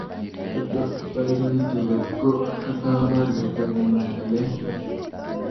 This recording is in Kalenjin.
kotabaibaitu kotko katakoro ketebena ngalek